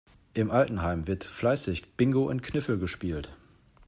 Im Altenheim wird fleißig Bingo und Kniffel gespielt.